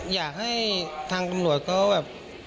อยากให้ทางตำรวจเขาแบบ